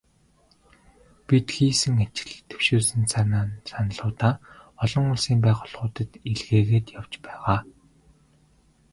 Бид хийсэн ажил, дэвшүүлсэн саналуудаа олон улсын байгууллагуудад илгээгээд явж байгаа.